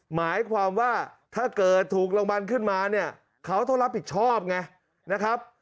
หมายความว่าถ้าเกิดถูกรางวัลขึ้นมาเนี่ยเขาต้องรับผิดชอบไงนะครับ